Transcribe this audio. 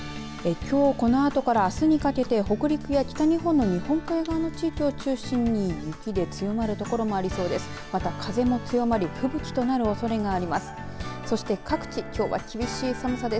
きょうこのあとからあすにかけて北陸から北日本の日本海側の地域を中心に雪が強まる所がありそうです。